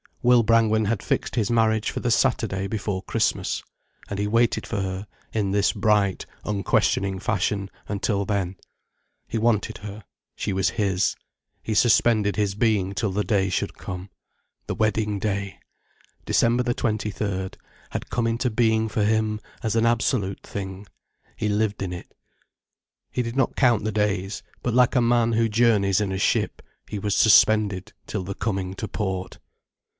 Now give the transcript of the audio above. Will Brangwen had fixed his marriage for the Saturday before Christmas. And he waited for her, in his bright, unquestioning fashion, until then. He wanted her, she was his, he suspended his being till the day should come. The wedding day, December the twenty third, had come into being for him as an absolute thing. He lived in it. He did not count the days. But like a man who journeys in a ship, he was suspended till the coming to port.